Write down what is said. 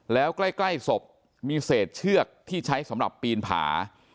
แล้วใกล้ศพมีเศษเชือกที่ใช้สำหรับปีนผา